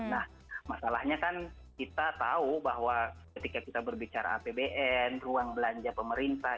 nah masalahnya kan kita tahu bahwa ketika kita berbicara apbn ruang belanja pemerintah